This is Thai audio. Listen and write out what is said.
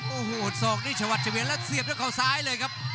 โอ้โหสอกนี่ชวัดเฉวียนแล้วเสียบด้วยเขาซ้ายเลยครับ